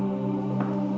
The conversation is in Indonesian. tentang apa yang terjadi